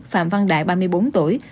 phạm văn đại ba mươi bốn tuổi